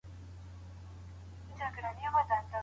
د محصلینو لیلیه په خپلسري ډول نه ویشل کیږي.